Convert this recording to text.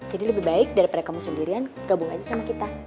jadi lebih baik daripada kamu sendirian gabung aja sama kita